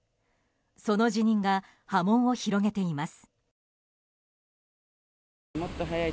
その辞任が波紋を広げています。